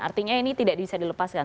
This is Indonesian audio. artinya ini tidak bisa dilepaskan